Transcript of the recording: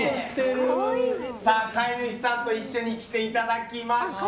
飼い主さんと一緒に来ていただきました。